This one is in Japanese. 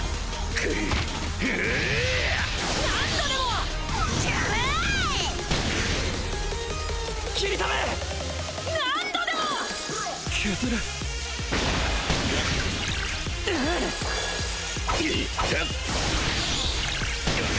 くっ！